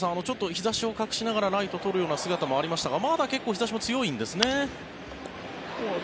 日差しを隠しながらライト、とるような姿もありましたがまだ結構日差しは強いんですね。